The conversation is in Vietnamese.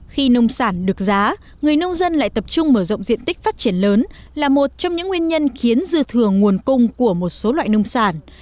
khi nông sản được giá người nông dân lại tập trung mở rộng diện tích phát triển lớn là một trong những nguyên nhân khiến dư thừa nguồn cung của một số loại nông sản